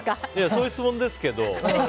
そういう質問ですけど。